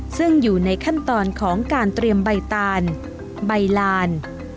ซึ่งอยู่ในขั้นตอนของการเตรียมใบตาลใบลาน